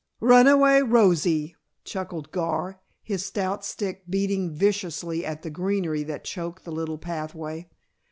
"Runaway Rosie," chuckled Gar, his stout stick beating viciously at the greenery that choked the little pathway.